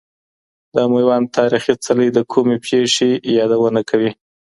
د میوند تاریخي څلی د کومې پېښې یادونه کوي؟